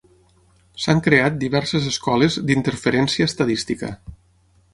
S"han creat diverses escoles d"interferència estadística.